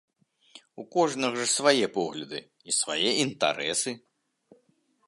У кожнага ж свае погляды і свае інтарэсы.